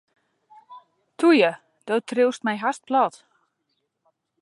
Toe ju, do triuwst my hast plat.